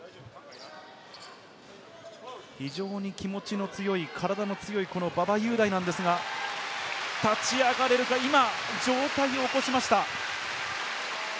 非常に気持ちの強い、体の強い馬場雄大なんですが、立ち上がれるか、今、上体を起こしました。